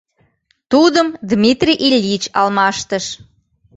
Тудым Дмитрий Ильич алмаштыш.